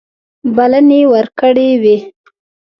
بلنې ورکړي وې.